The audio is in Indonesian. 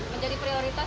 menjadi prioritas apa